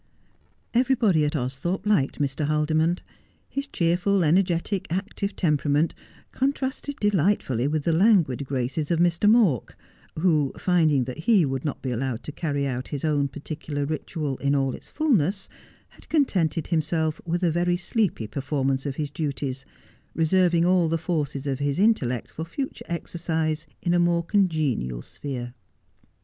Everybody at Austhorpe liked Mr. Haldimond. His cheerful, energetic, active temperament contrasted delightfully with the languid graces of Mr. Mawk, who, finding that he would not be allowed to carry out his own particular ritual in all its fulness, had contented himself with a very sleepy performance of his duties, reserving all the forces of his intellect for future exercise in a more congenial sphere.